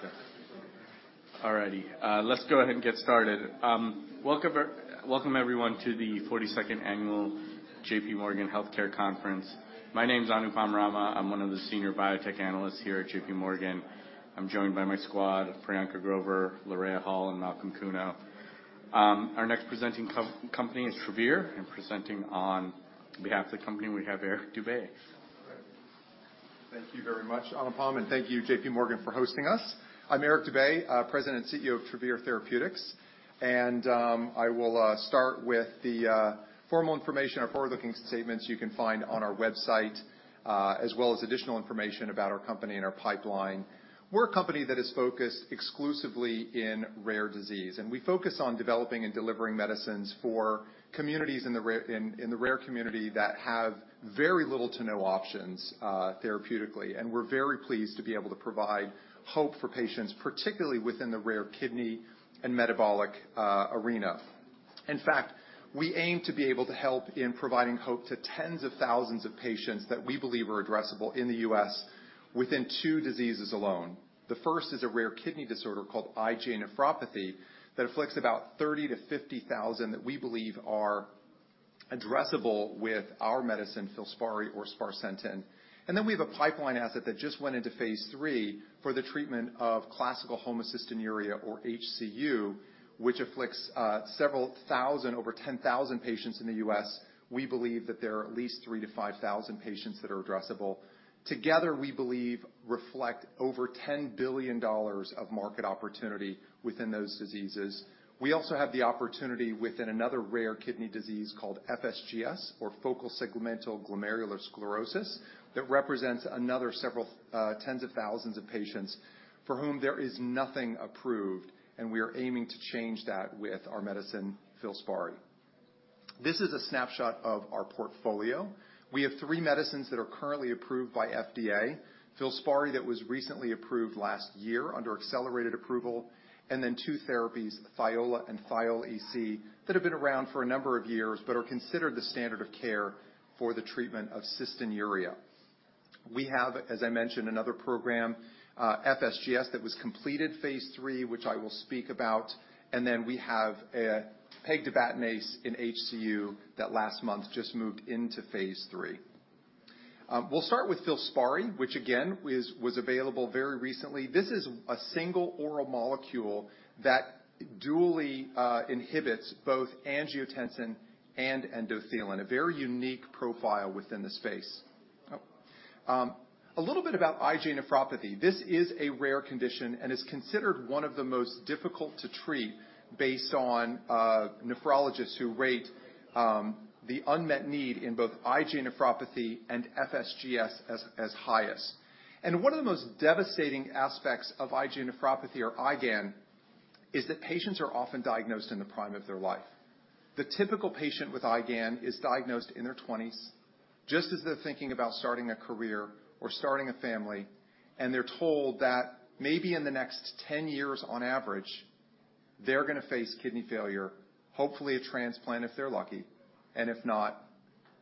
Oh, okay. All righty. Let's go ahead and get started. Welcome everyone to the 42nd annual J.P. Morgan Healthcare Conference. My name's Anupam Rama. I'm one of the senior biotech analysts here at J.P. Morgan. I'm joined by my squad, Priyanka Grover, Laraya Hall, and Malcolm Kuno. Our next presenting company is Travere, and presenting on behalf of the company, we have Eric Dube. Thank you very much, Anupam, and thank you, J.P. Morgan, for hosting us. I'm Eric Dube, President and CEO of Travere Therapeutics. I will start with the formal information. Our forward-looking statements you can find on our website, as well as additional information about our company and our pipeline. We're a company that is focused exclusively in rare disease, and we focus on developing and delivering medicines for communities in the rare community that have very little to no options, therapeutically. We're very pleased to be able to provide hope for patients, particularly within the rare kidney and metabolic arena. In fact, we aim to be able to help in providing hope to tens of thousands of patients that we believe are addressable in the U.S. within two diseases alone. The first is a rare kidney disorder called IgA nephropathy that afflicts about 30,000-50,000, that we believe are addressable with our medicine, FILSPARI or sparsentan. Then we have a pipeline asset that just went into phase 3 for the treatment of classical homocystinuria or HCU, which afflicts several thousand, over 10,000 patients in the U.S. We believe that there are at least 3,000-5,000 patients that are addressable. Together, we believe reflect over $10 billion of market opportunity within those diseases. We also have the opportunity within another rare kidney disease called FSGS or focal segmental glomerulosclerosis, that represents another several tens of thousands of patients for whom there is nothing approved, and we are aiming to change that with our medicine, FILSPARI. This is a snapshot of our portfolio. We have three medicines that are currently approved by FDA. FILSPARI, that was recently approved last year under accelerated approval, and then two therapies, Thiola and Thiola EC, that have been around for a number of years, but are considered the standard of care for the treatment of cystinuria. We have, as I mentioned, another program, FSGS, that was completed phase three, which I will speak about. And then we have a pegtibatinase in HCU that last month just moved into phase three. We'll start with FILSPARI, which again, was available very recently. This is a single oral molecule that dually inhibits both angiotensin and endothelin, a very unique profile within the space. A little bit about IgA nephropathy. This is a rare condition and is considered one of the most difficult to treat based on nephrologists who rate the unmet need in both IgA nephropathy and FSGS as highest. One of the most devastating aspects of IgA nephropathy or IgAN is that patients are often diagnosed in the prime of their life. The typical patient with IgAN is diagnosed in their 20s, just as they're thinking about starting a career or starting a family, and they're told that maybe in the next 10 years on average, they're going to face kidney failure, hopefully a transplant, if they're lucky, and if not,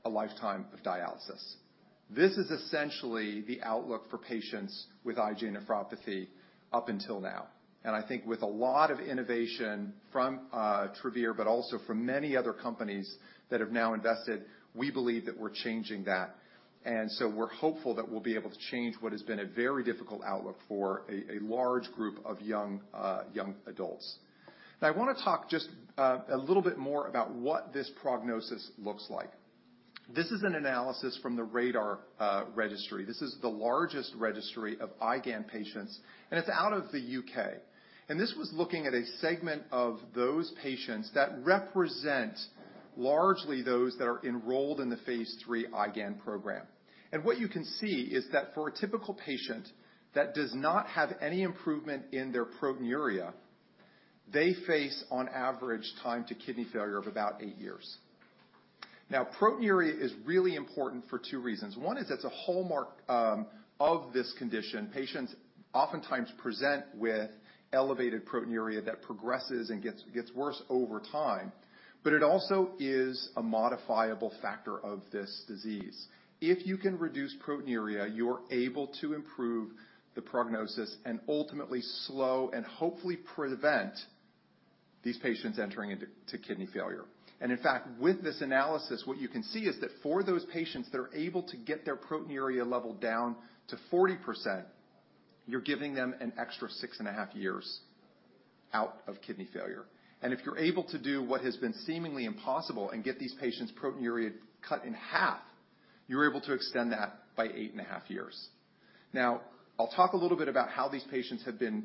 a lifetime of dialysis. This is essentially the outlook for patients with IgA nephropathy up until now, and I think with a lot of innovation from Travere, but also from many other companies that have now invested, we believe that we're changing that. And so we're hopeful that we'll be able to change what has been a very difficult outlook for a large group of young adults. I want to talk just a little bit more about what this prognosis looks like. This is an analysis from the RaDaR registry. This is the largest registry of IgAN patients, and it's out of the U.K. This was looking at a segment of those patients that represent largely those that are enrolled in the phase 3 IgAN program. What you can see is that for a typical patient that does not have any improvement in their proteinuria, they face, on average, time to kidney failure of about eight years. Now, proteinuria is really important for two reasons. One is it's a hallmark of this condition. Patients oftentimes present with elevated proteinuria that progresses and gets worse over time, but it also is a modifiable factor of this disease. If you can reduce proteinuria, you're able to improve the prognosis and ultimately slow and hopefully prevent these patients entering into kidney failure. And in fact, with this analysis, what you can see is that for those patients that are able to get their proteinuria level down to 40%, you're giving them an extra 6.5 years out of kidney failure. And if you're able to do what has been seemingly impossible and get these patients' proteinuria cut in half, you're able to extend that by 8.5 years. Now, I'll talk a little bit about how these patients have been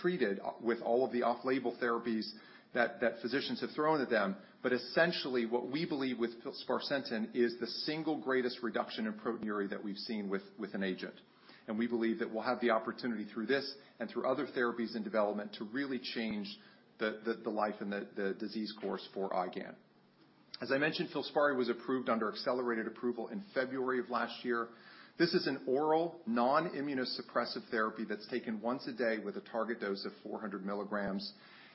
treated with all of the off-label therapies that physicians have thrown at them. But essentially, what we believe with sparsentan is the single greatest reduction in proteinuria that we've seen with an agent. We believe that we'll have the opportunity through this and through other therapies in development to really change the life and the disease course for IgAN. As I mentioned, FILSPARI was approved under accelerated approval in February of last year. This is an oral, non-immunosuppressive therapy that's taken once a day with a target dose of 400 milligrams.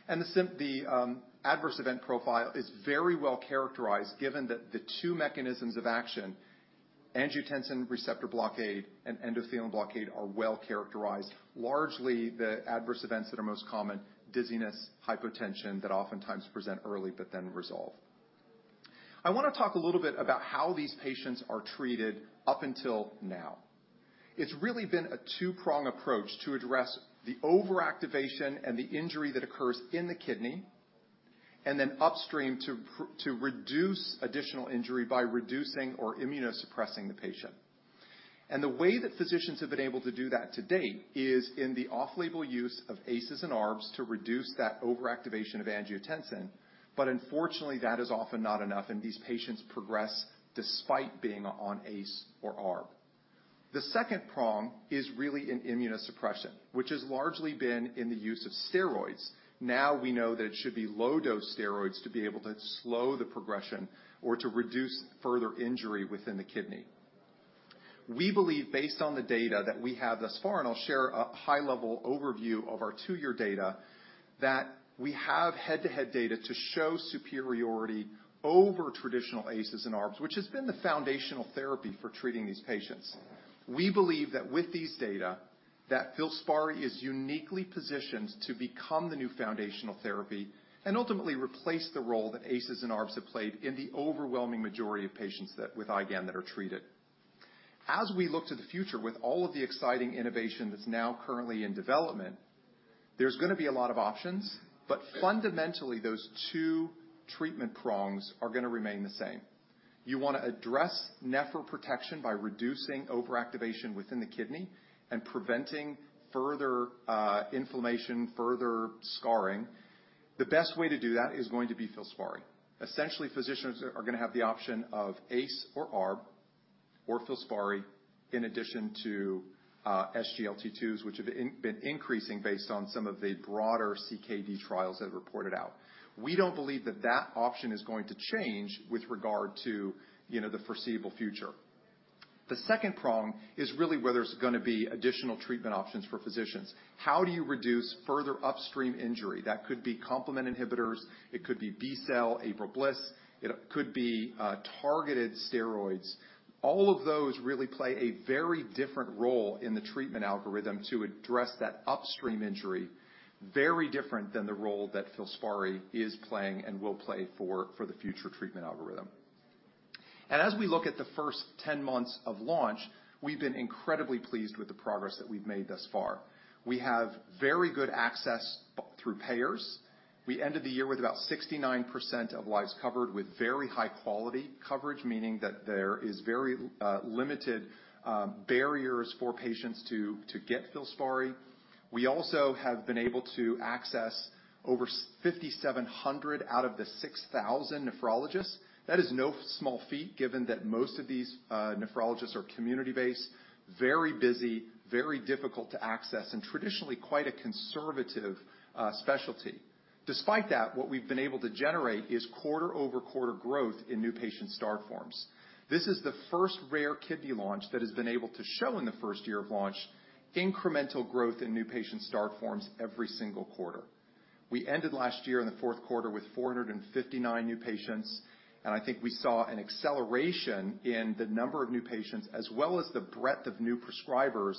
The adverse event profile is very well characterized, given that the two mechanisms of action—angiotensin receptor blockade and endothelin blockade—are well characterized. Largely, the adverse events that are most common, dizziness, hypotension, that oftentimes present early but then resolve. I want to talk a little bit about how these patients are treated up until now. It's really been a two-prong approach to address the overactivation and the injury that occurs in the kidney, and then upstream to reduce additional injury by reducing or immunosuppressing the patient. And the way that physicians have been able to do that to date is in the off-label use of ACEs and ARBs to reduce that overactivation of angiotensin, but unfortunately, that is often not enough, and these patients progress despite being on ACE or ARB. The second prong is really in immunosuppression, which has largely been in the use of steroids. Now we know that it should be low-dose steroids to be able to slow the progression or to reduce further injury within the kidney. We believe, based on the data that we have thus far, and I'll share a high-level overview of our two-year data, that we have head-to-head data to show superiority over traditional ACEs and ARBs, which has been the foundational therapy for treating these patients. We believe that with these data, that FILSPARI is uniquely positioned to become the new foundational therapy and ultimately replace the role that ACEs and ARBs have played in the overwhelming majority of patients that with IgAN that are treated. As we look to the future with all of the exciting innovation that's now currently in development, there's going to be a lot of options, but fundamentally, those two treatment prongs are going to remain the same. You want to address nephroprotection by reducing overactivation within the kidney and preventing further, inflammation, further scarring. The best way to do that is going to be FILSPARI. Essentially, physicians are going to have the option of ACE or ARB or FILSPARI, in addition to SGLT2s, which have been increasing based on some of the broader CKD trials that reported out. We don't believe that that option is going to change with regard to, you know, the foreseeable future. The second prong is really whether there's going to be additional treatment options for physicians. How do you reduce further upstream injury? That could be complement inhibitors, it could be B-cell, APRIL/BLyS, it could be targeted steroids. All of those really play a very different role in the treatment algorithm to address that upstream injury, very different than the role that FILSPARI is playing and will play for the future treatment algorithm. As we look at the first 10 months of launch, we've been incredibly pleased with the progress that we've made thus far. We have very good access through payers. We ended the year with about 69% of lives covered with very high-quality coverage, meaning that there is very limited barriers for patients to get FILSPARI. We also have been able to access over 5,700 out of the 6,000 nephrologists. That is no small feat, given that most of these nephrologists are community-based, very busy, very difficult to access, and traditionally, quite a conservative specialty. Despite that, what we've been able to generate is quarter-over-quarter growth in new patient start forms. This is the first rare kidney launch that has been able to show in the first year of launch, incremental growth in new patient start forms every single quarter. We ended last year in the fourth quarter with 459 new patients, and I think we saw an acceleration in the number of new patients as well as the breadth of new prescribers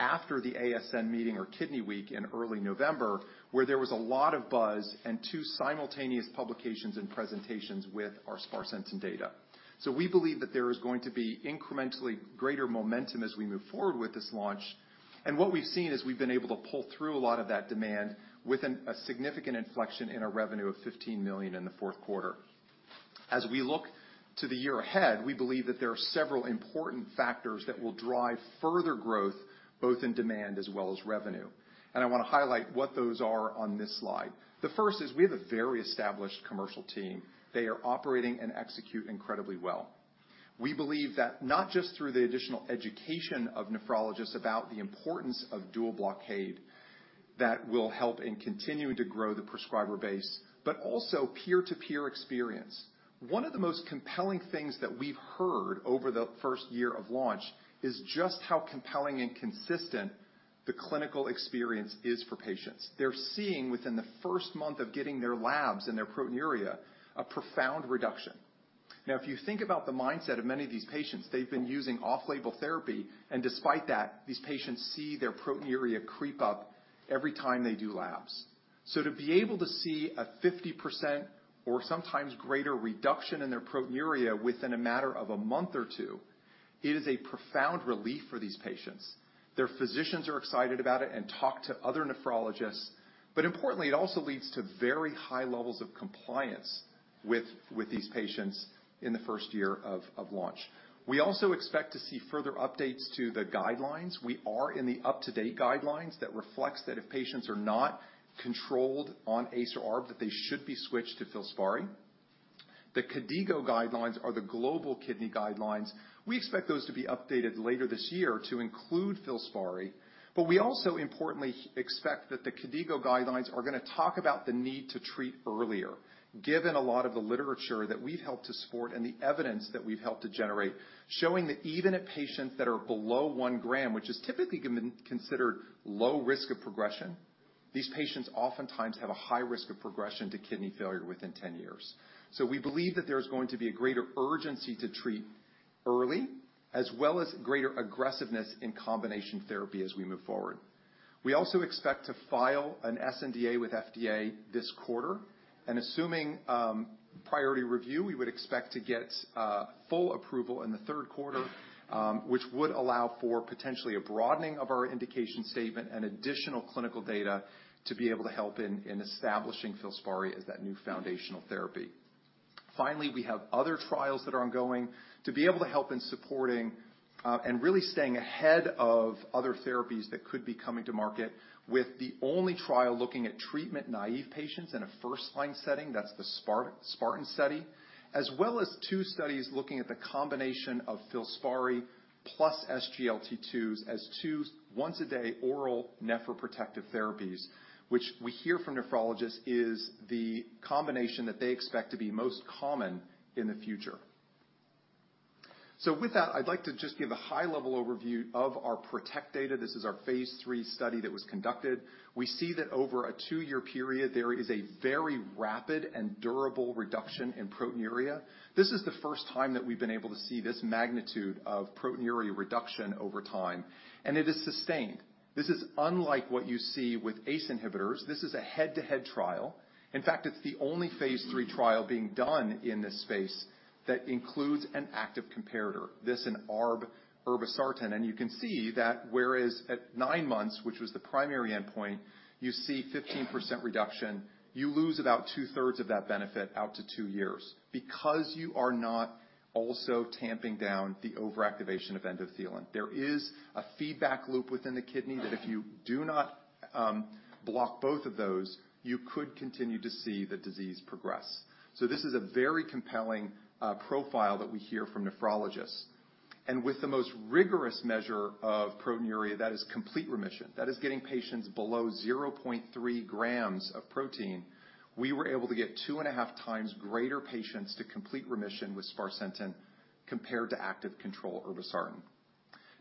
after the ASN meeting or Kidney Week in early November, where there was a lot of buzz and two simultaneous publications and presentations with our sparsentan data. So we believe that there is going to be incrementally greater momentum as we move forward with this launch. And what we've seen is we've been able to pull through a lot of that demand with a significant inflection in our revenue of $15 million in the fourth quarter. As we look to the year ahead, we believe that there are several important factors that will drive further growth, both in demand as well as revenue. I want to highlight what those are on this slide. The first is we have a very established commercial team. They are operating and execute incredibly well. We believe that not just through the additional education of nephrologists about the importance of dual blockade, that will help in continuing to grow the prescriber base, but also peer-to-peer experience. One of the most compelling things that we've heard over the first year of launch is just how compelling and consistent the clinical experience is for patients. They're seeing within the first month of getting their labs and their proteinuria, a profound reduction. Now, if you think about the mindset of many of these patients, they've been using off-label therapy, and despite that, these patients see their proteinuria creep up every time they do labs. So to be able to see a 50% or sometimes greater reduction in their proteinuria within a matter of a month or two, it is a profound relief for these patients. Their physicians are excited about it and talk to other nephrologists, but importantly, it also leads to very high levels of compliance with these patients in the first year of launch. We also expect to see further updates to the guidelines. We are in the up-to-date guidelines that reflects that if patients are not controlled on ACE or ARB, that they should be switched to FILSPARI. The KDIGO guidelines are the global kidney guidelines. We expect those to be updated later this year to include FILSPARI, but we also importantly expect that the KDIGO guidelines are going to talk about the need to treat earlier, given a lot of the literature that we've helped to support and the evidence that we've helped to generate, showing that even in patients that are below one gram, which is typically considered low risk of progression…. These patients oftentimes have a high risk of progression to kidney failure within ten years. So we believe that there's going to be a greater urgency to treat early, as well as greater aggressiveness in combination therapy as we move forward. We also expect to file an sNDA with FDA this quarter, and assuming priority review, we would expect to get full approval in the third quarter, which would allow for potentially a broadening of our indication statement and additional clinical data to be able to help in establishing FILSPARI as that new foundational therapy. Finally, we have other trials that are ongoing to be able to help in supporting and really staying ahead of other therapies that could be coming to market with the only trial looking at treatment-naive patients in a first-line setting, that's the SPARTAN Study, as well as two studies looking at the combination of FILSPARI plus SGLT2s as two once-a-day oral nephroprotective therapies, which we hear from nephrologists is the combination that they expect to be most common in the future. So with that, I'd like to just give a high-level overview of our protect data. This is our phase 3 study that was conducted. We see that over a two-year period, there is a very rapid and durable reduction in proteinuria. This is the first time that we've been able to see this magnitude of proteinuria reduction over time, and it is sustained. This is unlike what you see with ACE inhibitors. This is a head-to-head trial. In fact, it's the only phase 3 trial being done in this space that includes an active comparator, this an ARB irbesartan. And you can see that whereas at nine months, which was the primary endpoint, you see 15% reduction, you lose about two-thirds of that benefit out to two years because you are not also tamping down the overactivation of endothelin. There is a feedback loop within the kidney that if you do not block both of those, you could continue to see the disease progress. So this is a very compelling profile that we hear from nephrologists. With the most rigorous measure of proteinuria, that is complete remission, that is getting patients below 0.3 grams of protein, we were able to get 2.5 times greater patients to complete remission with sparsentan compared to active control irbesartan.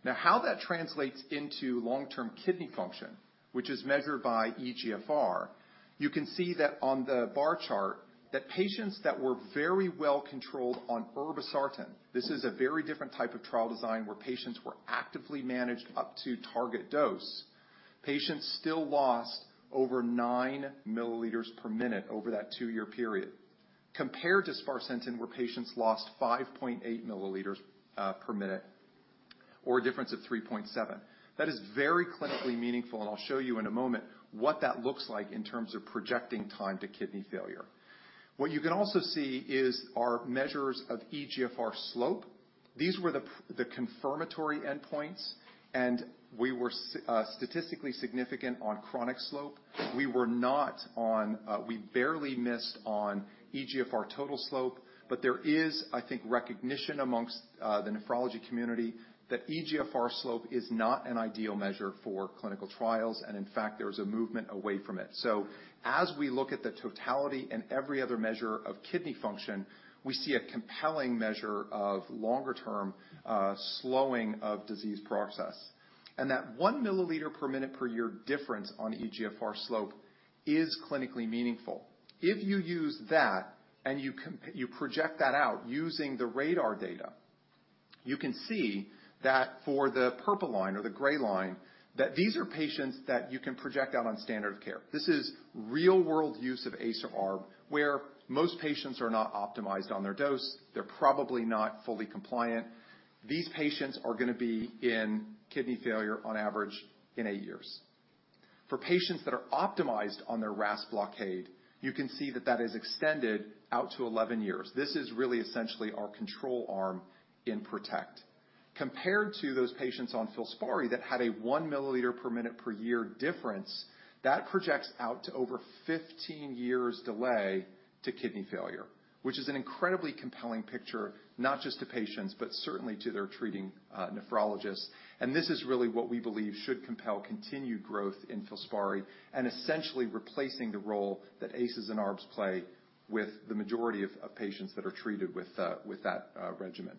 Now, how that translates into long-term kidney function, which is measured by eGFR, you can see that on the bar chart, that patients that were very well controlled on irbesartan, this is a very different type of trial design, where patients were actively managed up to target dose. Patients still lost over 9 milliliters per minute over that two-year period, compared to sparsentan, where patients lost 5.8 milliliters per minute, or a difference of 3.7. That is very clinically meaningful, and I'll show you in a moment what that looks like in terms of projecting time to kidney failure. What you can also see is our measures of eGFR slope. These were the confirmatory endpoints, and we were statistically significant on chronic slope. We were not on we barely missed on eGFR total slope, but there is, I think, recognition amongst the nephrology community that eGFR slope is not an ideal measure for clinical trials, and in fact, there is a movement away from it. So as we look at the totality and every other measure of kidney function, we see a compelling measure of longer-term slowing of disease process. And that 1 milliliter per minute per year difference on eGFR slope is clinically meaningful. If you use that and you project that out using the RaDaR data, you can see that for the purple line or the gray line, that these are patients that you can project out on standard care. This is real-world use of ACE or ARB, where most patients are not optimized on their dose. They're probably not fully compliant. These patients are going to be in kidney failure on average in eight years. For patients that are optimized on their RAAS blockade, you can see that that is extended out to 11 years. This is really essentially our control arm in PROTECT. Compared to those patients on FILSPARI that had a 1 milliliter per minute per year difference, that projects out to over 15 years delay to kidney failure, which is an incredibly compelling picture, not just to patients, but certainly to their treating nephrologists. This is really what we believe should compel continued growth in FILSPARI and essentially replacing the role that ACEs and ARBs play with the majority of patients that are treated with that regimen.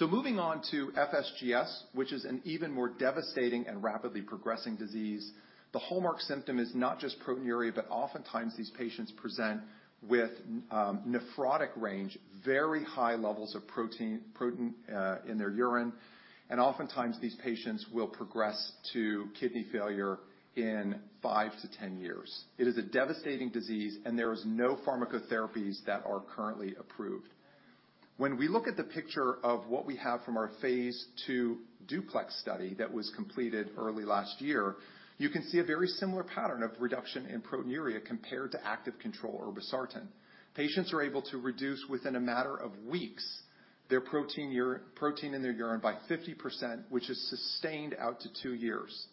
Moving on to FSGS, which is an even more devastating and rapidly progressing disease, the hallmark symptom is not just proteinuria, but oftentimes these patients present with nephrotic range, very high levels of protein in their urine, and oftentimes these patients will progress to kidney failure in fivtwo-10 years. It is a devastating disease, and there is no pharmacotherapies that are currently approved. When we look at the picture of what we have from our phase 2 DUPLEX Study that was completed early last year, you can see a very similar pattern of reduction in proteinuria compared to active control irbesartan. Patients are able to reduce, within a matter of weeks, their protein in their urine by 50%, which is sustained out to two years.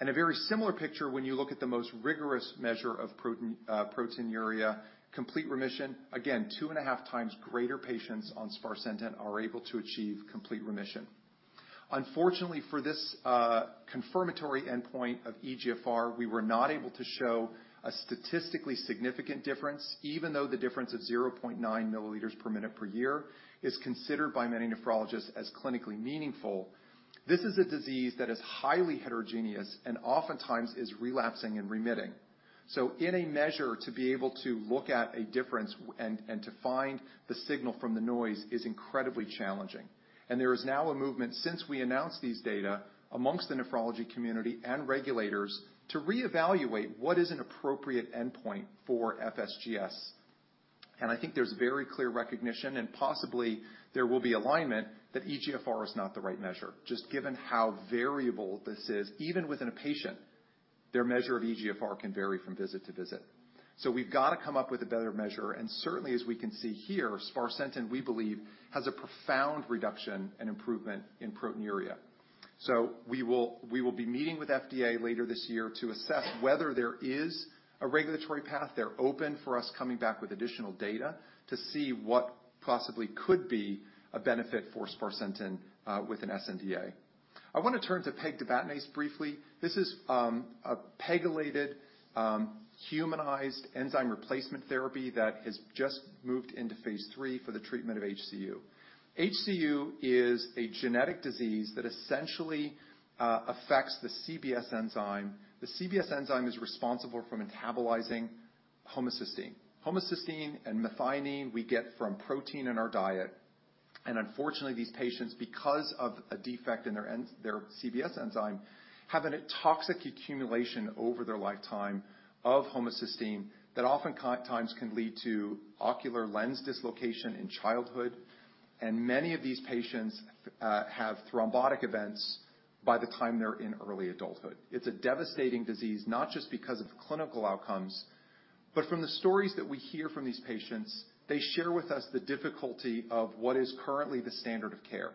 And a very similar picture when you look at the most rigorous measure of protein, proteinuria, complete remission. Again, 2.5 times greater patients on sparsentan are able to achieve complete remission. Unfortunately, for this, confirmatory endpoint of eGFR, we were not able to show a statistically significant difference, even though the difference of 0.9 milliliters per minute per year is considered by many nephrologists as clinically meaningful. This is a disease that is highly heterogeneous and oftentimes is relapsing and remitting.... So in a measure, to be able to look at a difference and, and to find the signal from the noise is incredibly challenging. And there is now a movement, since we announced these data, amongst the nephrology community and regulators, to reevaluate what is an appropriate endpoint for FSGS. And I think there's very clear recognition, and possibly there will be alignment, that eGFR is not the right measure, just given how variable this is. Even within a patient, their measure of eGFR can vary from visit to visit. So we've got to come up with a better measure, and certainly, as we can see here, sparsentan, we believe, has a profound reduction and improvement in proteinuria. So we will, we will be meeting with FDA later this year to assess whether there is a regulatory path. They're open for us coming back with additional data to see what possibly could be a benefit for sparsentan with an sNDA. I want to turn to pegtibatinase briefly. This is a pegylated humanized enzyme replacement therapy that has just moved into phase 3 for the treatment of HCU. HCU is a genetic disease that essentially affects the CBS enzyme. The CBS enzyme is responsible for metabolizing homocysteine. Homocysteine and methionine we get from protein in our diet, and unfortunately, these patients, because of a defect in their CBS enzyme, have a toxic accumulation over their lifetime of homocysteine that oftentimes can lead to ocular lens dislocation in childhood, and many of these patients have thrombotic events by the time they're in early adulthood. It's a devastating disease, not just because of clinical outcomes, but from the stories that we hear from these patients, they share with us the difficulty of what is currently the standard of care.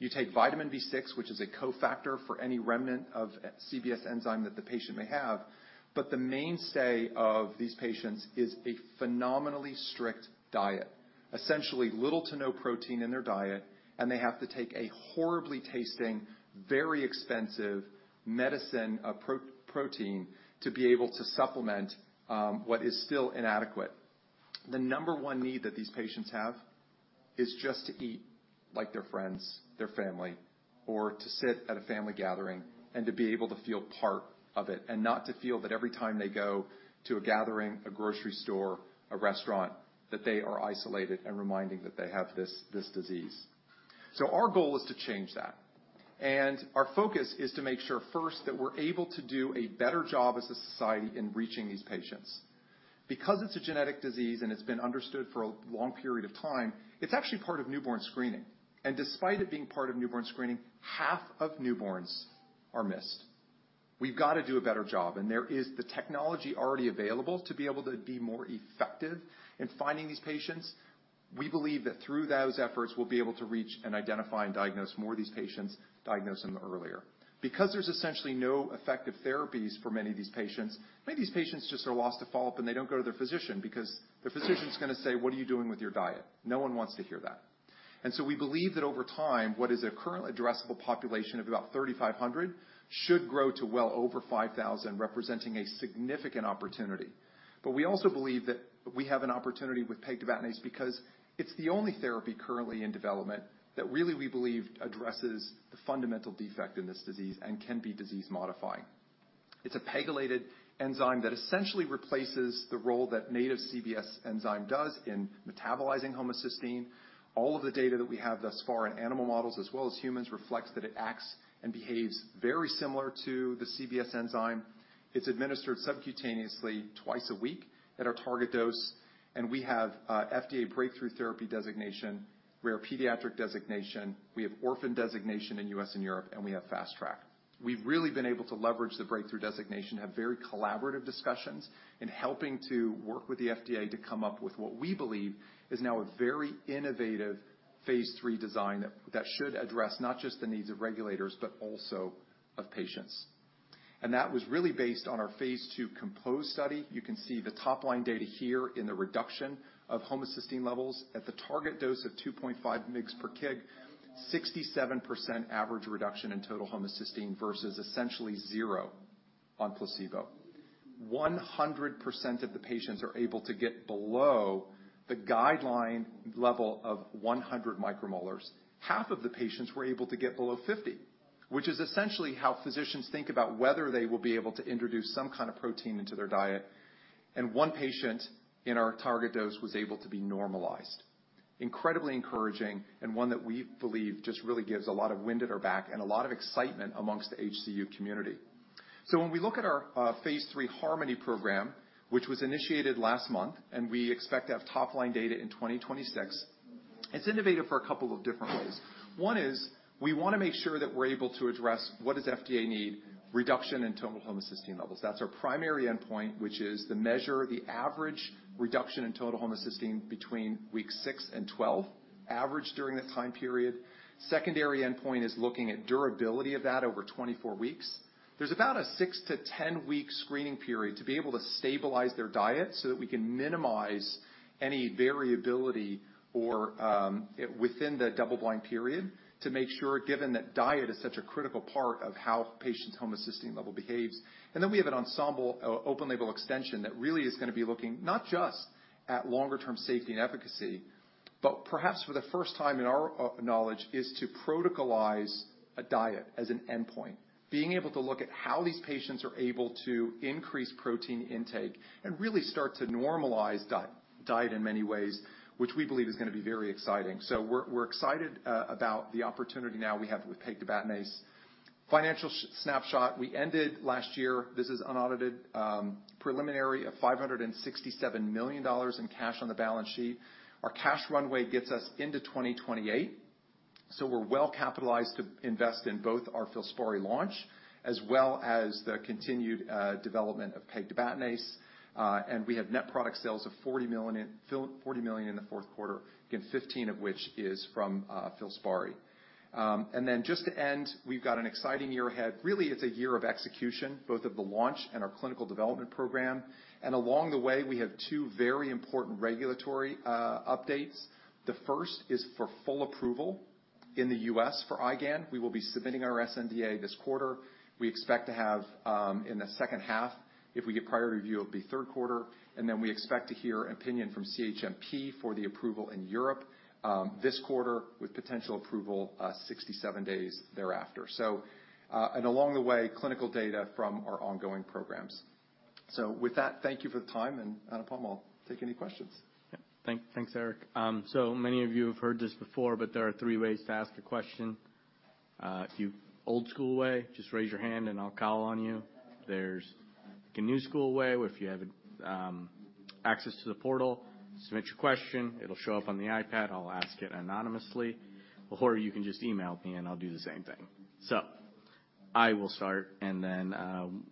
You take vitamin B6, which is a cofactor for any remnant of CBS enzyme that the patient may have, but the mainstay of these patients is a phenomenally strict diet, essentially little to no protein in their diet, and they have to take a horribly tasting, very expensive medicine, betaine, to be able to supplement what is still inadequate. The number one need that these patients have is just to eat like their friends, their family, or to sit at a family gathering and to be able to feel part of it, and not to feel that every time they go to a gathering, a grocery store, a restaurant, that they are isolated and reminded that they have this, this disease. So our goal is to change that. Our focus is to make sure, first, that we're able to do a better job as a society in reaching these patients. Because it's a genetic disease and it's been understood for a long period of time, it's actually part of newborn screening. Despite it being part of newborn screening, half of newborns are missed. We've got to do a better job, and there is the technology already available to be able to be more effective in finding these patients. We believe that through those efforts, we'll be able to reach and identify and diagnose more of these patients, diagnose them earlier. Because there's essentially no effective therapies for many of these patients, many of these patients just are lost to follow-up, and they don't go to their physician because the physician's going to say: What are you doing with your diet? No one wants to hear that. So we believe that over time, what is a current addressable population of about 3,500 should grow to well over 5,000, representing a significant opportunity. But we also believe that we have an opportunity with pegtibatinase because it's the only therapy currently in development that really, we believe, addresses the fundamental defect in this disease and can be disease-modifying. It's a pegylated enzyme that essentially replaces the role that native CBS enzyme does in metabolizing homocysteine. All of the data that we have thus far in animal models, as well as humans, reflects that it acts and behaves very similar to the CBS enzyme. It's administered subcutaneously twice a week at our target dose, and we have FDA breakthrough therapy designation, rare pediatric designation, we have orphan designation in U.S. and Europe, and we have fast track. We've really been able to leverage the breakthrough designation, have very collaborative discussions in helping to work with the FDA to come up with what we believe is now a very innovative phase 3 design that should address not just the needs of regulators, but also of patients. And that was really based on our phase 2 COMPOSE study. You can see the top-line data here in the reduction of homocysteine levels at the target dose of 2.5 mg per kg, 67% average reduction in total homocysteine versus essentially zero on placebo. 100% of the patients are able to get below the guideline level of 100 micromolar. Half of the patients were able to get below 50, which is essentially how physicians think about whether they will be able to introduce some kind of protein into their diet. One patient in our target dose was able to be normalized. Incredibly encouraging and one that we believe just really gives a lot of wind at our back and a lot of excitement amongst the HCU community. So when we look at our phase 3 HARMONY program, which was initiated last month, and we expect to have top-line data in 2026, it's innovative for a couple of different ways. One is we want to make sure that we're able to address what does FDA need? Reduction in total homocysteine levels. That's our primary endpoint, which is the measure, the average reduction in total homocysteine between weeks six and 12, averaged during that time period. Secondary endpoint is looking at durability of that over 24 weeks. There's about a six- to 10-week screening period to be able to stabilize their diet so that we can minimize any variability or, within the double-blind period to make sure, given that diet is such a critical part of how a patient's homocysteine level behaves. And then we have an ENSEMBLE, open-label extension that really is going to be looking not just at longer-term safety and efficacy, but perhaps for the first time in our knowledge, is to protocolize a diet as an endpoint. Being able to look at how these patients are able to increase protein intake and really start to normalize diet, diet in many ways, which we believe is going to be very exciting. So we're, we're excited, about the opportunity now we have with pegtibatinase. Financial snapshot. We ended last year, this is unaudited, preliminary of $567 million in cash on the balance sheet. Our cash runway gets us into 2028, so we're well-capitalized to invest in both our FILSPARI launch as well as the continued development of pegtibatinase. And we have net product sales of $40 million, $40 million in the fourth quarter, again, 15 of which is from FILSPARI. And then just to end, we've got an exciting year ahead. Really, it's a year of execution, both of the launch and our clinical development program. And along the way, we have two very important regulatory updates. The first is for full approval in the U.S. for IgAN. We will be submitting our sNDA this quarter. We expect to have in the second half, if we get prior review, it'll be third quarter, and then we expect to hear opinion from CHMP for the approval in Europe, this quarter, with potential approval, 67 days thereafter. So, and along the way, clinical data from our ongoing programs. So with that, thank you for the time, and Anupam, I'll take any questions. Yeah. Thanks, Eric. So many of you have heard this before, but there are three ways to ask a question. If you old school way, just raise your hand and I'll call on you. There's the new school way, where if you have access to the portal, submit your question, it'll show up on the iPad. I'll ask it anonymously, or you can just email me, and I'll do the same thing. So I will start, and then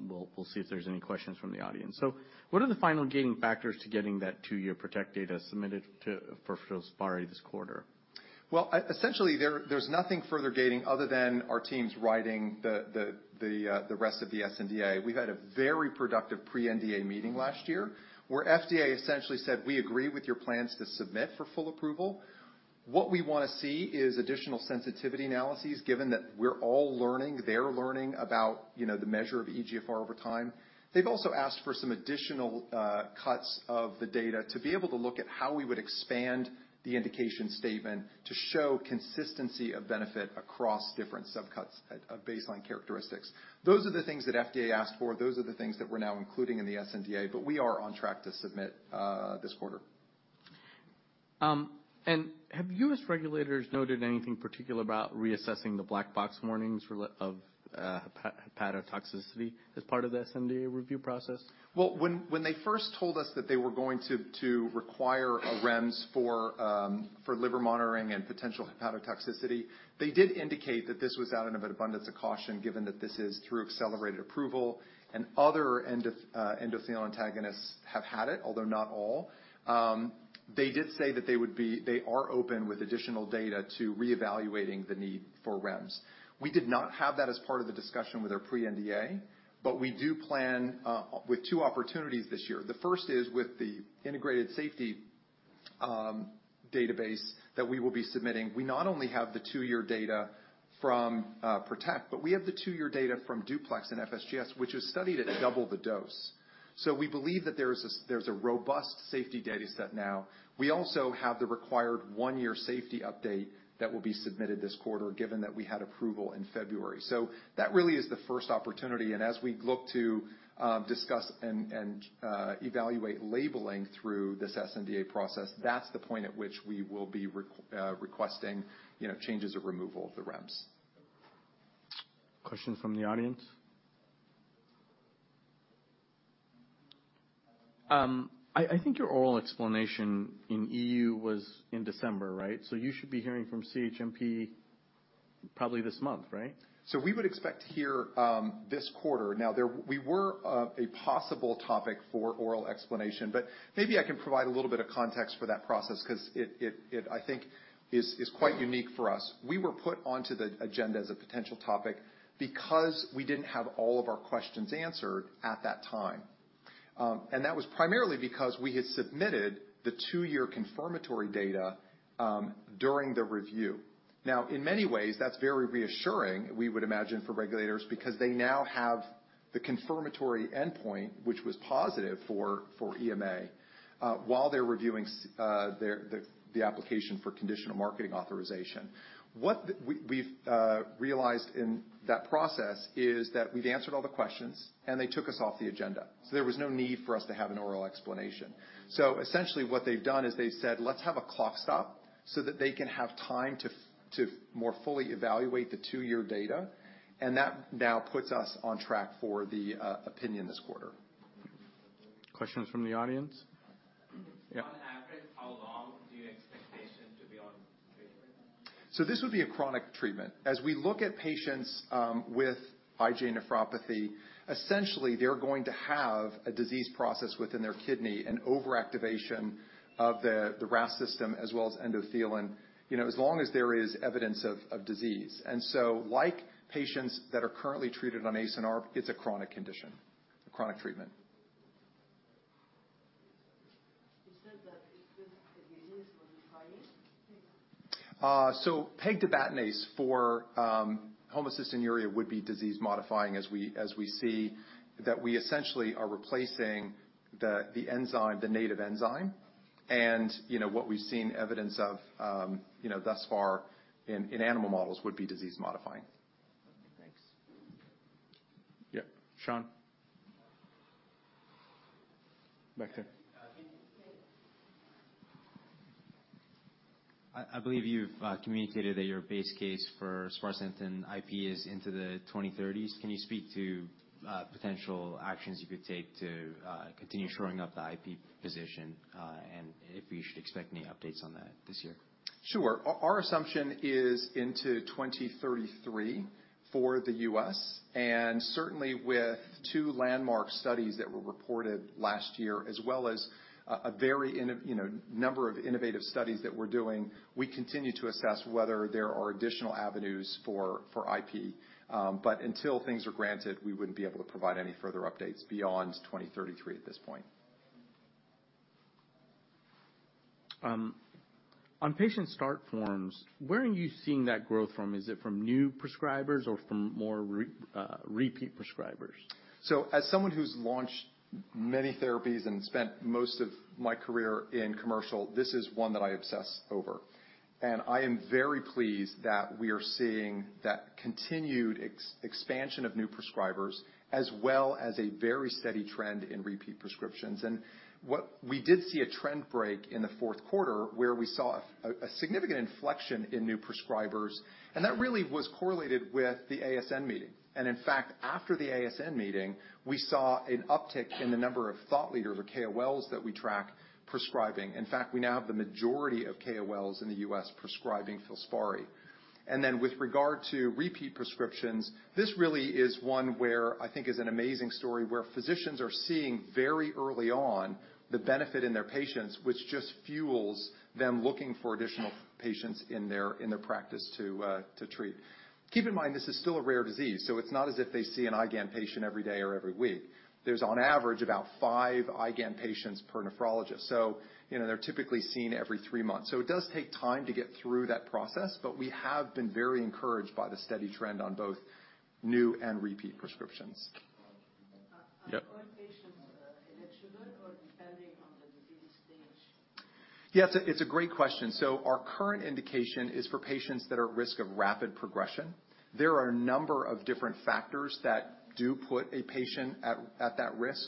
we'll see if there's any questions from the audience. So what are the final gating factors to getting that two-year PROTECT data submitted for FILSPARI this quarter? Well, essentially, there's nothing further gating other than our teams writing the rest of the sNDA. We've had a very productive pre-NDA meeting last year, where FDA essentially said, "We agree with your plans to submit for full approval. What we want to see is additional sensitivity analyses, given that we're all learning, they're learning about, you know, the measure of eGFR over time." They've also asked for some additional cuts of the data to be able to look at how we would expand the indication statement to show consistency of benefit across different subcuts of baseline characteristics. Those are the things that FDA asked for. Those are the things that we're now including in the sNDA, but we are on track to submit this quarter. And have US regulators noted anything particular about reassessing the black box warnings of hepatotoxicity as part of the sNDA review process? Well, when they first told us that they were going to require a REMS for liver monitoring and potential hepatotoxicity, they did indicate that this was out of an abundance of caution, given that this is through accelerated approval and other endothelin antagonists have had it, although not all. They did say that they are open with additional data to reevaluating the need for REMS. We did not have that as part of the discussion with our pre-NDA, but we do plan with two opportunities this year. The first is with the integrated safety database that we will be submitting. We not only have the two-year data from PROTECT, but we have the two-year data from DUPLEX and FSGS, which is studied at double the dose. So we believe that there is a robust safety data set now. We also have the required one-year safety update that will be submitted this quarter, given that we had approval in February. So that really is the first opportunity, and as we look to discuss and evaluate labeling through this sNDA process, that's the point at which we will be requesting, you know, changes of removal of the REMS. Question from the audience? I think your oral explanation in EU was in December, right? So you should be hearing from CHMP probably this month, right? So we would expect to hear this quarter. Now, we were a possible topic for oral explanation, but maybe I can provide a little bit of context for that process because it, I think, is quite unique for us. We were put onto the agenda as a potential topic because we didn't have all of our questions answered at that time. And that was primarily because we had submitted the two-year confirmatory data during the review. Now, in many ways, that's very reassuring, we would imagine, for regulators, because they now have the confirmatory endpoint, which was positive for EMA, while they're reviewing the application for conditional marketing authorization. We've realized in that process that we've answered all the questions, and they took us off the agenda, so there was no need for us to have an oral explanation. So essentially, what they've done is they've said, "Let's have a clock stop," so that they can have time to more fully evaluate the two-year data, and that now puts us on track for the opinion this quarter. Questions from the audience? Yeah. On average, how long do you expect patients to be on treatment? This would be a chronic treatment. As we look at patients with IgA nephropathy, essentially, they're going to have a disease process within their kidney and overactivation of the RAS system as well as endothelin, you know, as long as there is evidence of disease. And so like patients that are currently treated on ACE and ARB, it's a chronic condition, a chronic treatment. You said that it is the disease was trying?... So pegtibatinase for homocystinuria would be disease-modifying, as we see that we essentially are replacing the enzyme, the native enzyme. And, you know, what we've seen evidence of, you know, thus far in animal models would be disease modifying. Thanks. Yeah, Sean? Back there. I believe you've communicated that your base case for sparsentan IP is into the 2030s. Can you speak to potential actions you could take to continue shoring up the IP position, and if we should expect any updates on that this year? Sure. Our assumption is into 2033 for the U.S., and certainly with two landmark studies that were reported last year, as well as a very you know, number of innovative studies that we're doing, we continue to assess whether there are additional avenues for IP. But until things are granted, we wouldn't be able to provide any further updates beyond 2033 at this point. On patient start forms, where are you seeing that growth from? Is it from new prescribers or from more repeat prescribers? So as someone who's launched many therapies and spent most of my career in commercial, this is one that I obsess over. And I am very pleased that we are seeing that continued expansion of new prescribers, as well as a very steady trend in repeat prescriptions. And we did see a trend break in the fourth quarter, where we saw a significant inflection in new prescribers, and that really was correlated with the ASN meeting. And in fact, after the ASN meeting, we saw an uptick in the number of thought leaders or KOLs that we track prescribing. In fact, we now have the majority of KOLs in the U.S. prescribing FILSPARI. And then, with regard to repeat prescriptions, this really is one where I think is an amazing story, where physicians are seeing very early on the benefit in their patients, which just fuels them looking for additional patients in their practice to treat. Keep in mind, this is still a rare disease, so it's not as if they see an IgAN patient every day or every week. There's on average about five IgAN patients per nephrologist, so, you know, they're typically seen every three months. So it does take time to get through that process, but we have been very encouraged by the steady trend on both new and repeat prescriptions. Yep. Are all patients eligible or depending on the disease stage? Yes, it's a great question. So our current indication is for patients that are at risk of rapid progression. There are a number of different factors that do put a patient at that risk.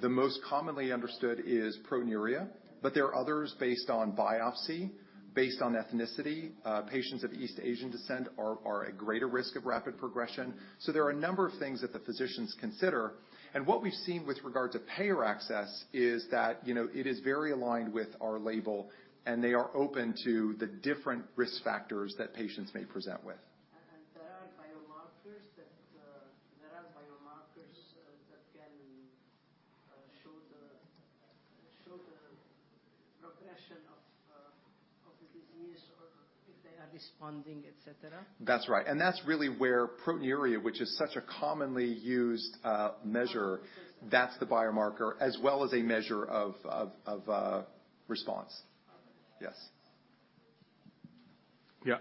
The most commonly understood is proteinuria, but there are others based on biopsy, based on ethnicity. Patients of East Asian descent are at greater risk of rapid progression. So there are a number of things that the physicians consider. And what we've seen with regard to payer access is that, you know, it is very aligned with our label, and they are open to the different risk factors that patients may present with. There are biomarkers that can show the progression of the disease or if they are responding, et cetera? That's right. And that's really where proteinuria, which is such a commonly used measure- Um. -that's the biomarker, as well as a measure of response. Okay. Yes. Yeah.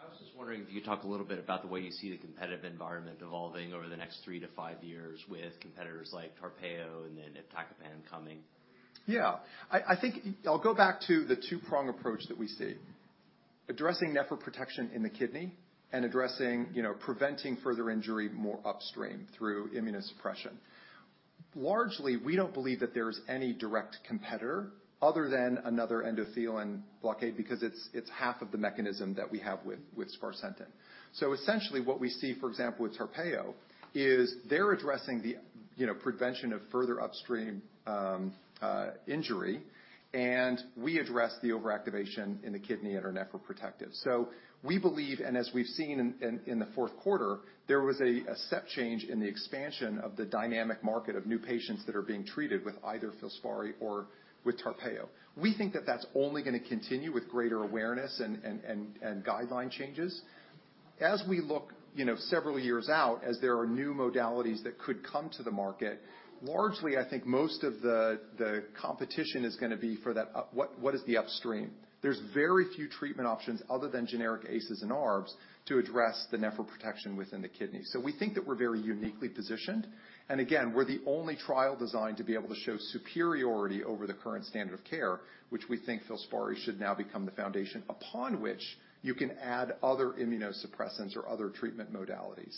I was just wondering if you could talk a little bit about the way you see the competitive environment evolving over the next three-five years with competitors like TARPEYO and then iptacopan coming? Yeah. I think I'll go back to the two-prong approach that we see. Addressing nephroprotection in the kidney and addressing, you know, preventing further injury more upstream through immunosuppression. Largely, we don't believe that there is any direct competitor other than another endothelin blockade because it's half of the mechanism that we have with sparsentan. So essentially, what we see, for example, with TARPEYO, is they're addressing the, you know, prevention of further upstream injury, and we address the overactivation in the kidney and are nephroprotective. So we believe, and as we've seen in the fourth quarter, there was a step change in the expansion of the dynamic market of new patients that are being treated with either FILSPARI or with TARPEYO. We think that that's only going to continue with greater awareness and guideline changes. As we look, you know, several years out, as there are new modalities that could come to the market, largely, I think most of the competition is going to be for that upstream. There's very few treatment options other than generic ACEs and ARBs to address the nephroprotection within the kidney. So we think that we're very uniquely positioned, and again, we're the only trial designed to be able to show superiority over the current standard of care, which we think FILSPARI should now become the foundation upon which you can add other immunosuppressants or other treatment modalities.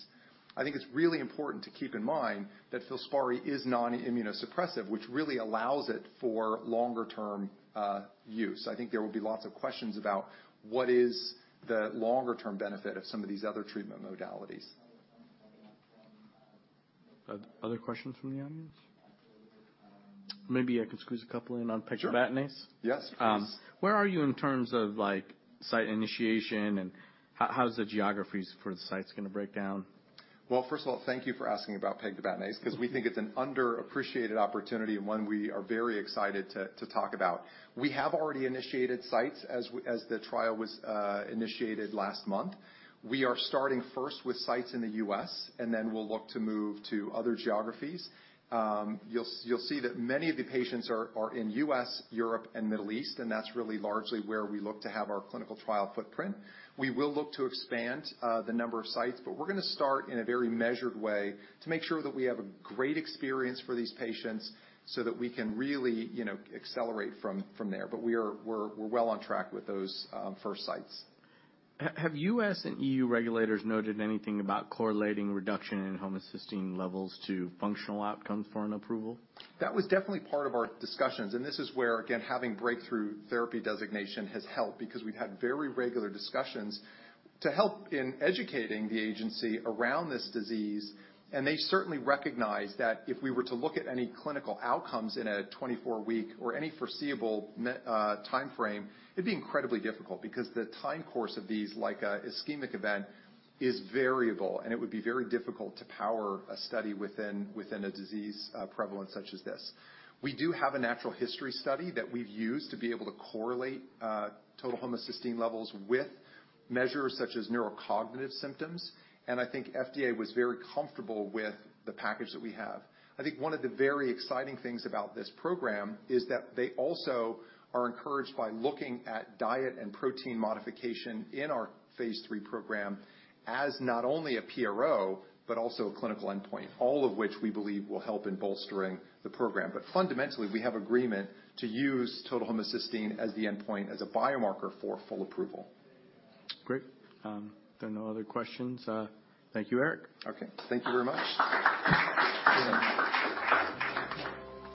I think it's really important to keep in mind that FILSPARI is non-immunosuppressive, which really allows it for longer-term use. I think there will be lots of questions about what is the longer-term benefit of some of these other treatment modalities. Other questions from the audience? Maybe I could squeeze a couple in on pegtibatinase. Sure. Yes, please. Where are you in terms of, like, site initiation, and how's the geographies for the sites going to break down? Well, first of all, thank you for asking about pegtibatinase, because we think it's an underappreciated opportunity and one we are very excited to talk about. We have already initiated sites as the trial was initiated last month. We are starting first with sites in the U.S., and then we'll look to move to other geographies. You'll see that many of the patients are in U.S., Europe, and Middle East, and that's really largely where we look to have our clinical trial footprint. We will look to expand the number of sites, but we're going to start in a very measured way to make sure that we have a great experience for these patients so that we can really, you know, accelerate from there. But we're well on track with those first sites. Have U.S. and E.U. regulators noted anything about correlating reduction in homocysteine levels to functional outcomes for an approval? That was definitely part of our discussions, and this is where, again, having breakthrough therapy designation has helped because we've had very regular discussions to help in educating the agency around this disease. And they certainly recognize that if we were to look at any clinical outcomes in a 24-week or any foreseeable time frame, it'd be incredibly difficult because the time course of these, like an ischemic event, is variable, and it would be very difficult to power a study within a disease prevalence such as this. We do have a natural history study that we've used to be able to correlate total homocysteine levels with measures such as neurocognitive symptoms, and I think FDA was very comfortable with the package that we have. I think one of the very exciting things about this program is that they also are encouraged by looking at diet and protein modification in our Phase 3 program as not only a PRO, but also a clinical endpoint, all of which we believe will help in bolstering the program. But fundamentally, we have agreement to use total homocysteine as the endpoint, as a biomarker for full approval. Great. If there are no other questions, thank you, Eric. Okay. Thank you very much.